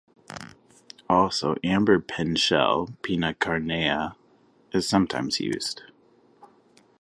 Also amber pen shell ("Pinna carnea") is sometimes used.